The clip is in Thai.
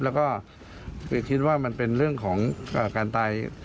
แล้วก็คือคิดว่ามันเป็นเรื่องของการตาย